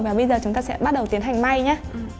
và bây giờ chúng ta sẽ bắt đầu tiến hành may nhé